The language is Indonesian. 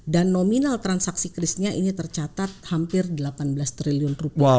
nominal transaksi krisnya ini tercatat hampir delapan belas triliun rupiah